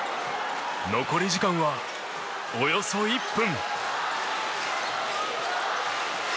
残り時間は、およそ１分。